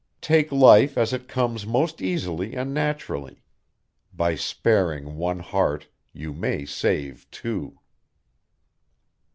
Take life as it comes most easily and naturally. By sparing one heart you may save two.